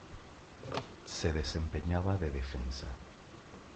Se desempeñaba de defensa.